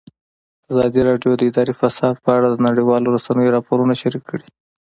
ازادي راډیو د اداري فساد په اړه د نړیوالو رسنیو راپورونه شریک کړي.